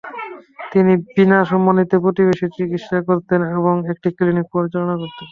তিনি বিনা সম্মানীতে প্রতিবেশীদের চিকিৎসা করতেন এবং একটি ক্লিনিক পরিচালনা করতেন।